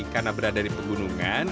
karena berada di pegunungan